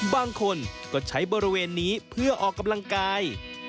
บางคนก็ใช้บริเวณนี้เพื่อออกกำลังกาย